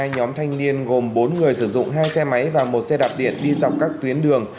hai nhóm thanh niên gồm bốn người sử dụng hai xe máy và một xe đạp điện đi dọc các tuyến đường